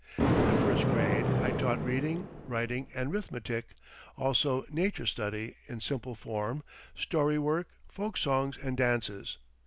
"In the first grade, I taught reading, writing and 'rithmetic; also nature study, in simple form, story work, folk songs and dances.